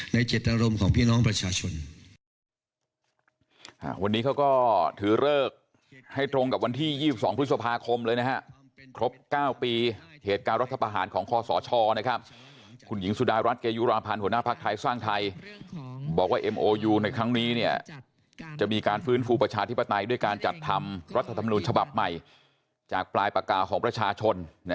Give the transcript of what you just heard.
จิตอารมณ์ของพี่น้องประชาชน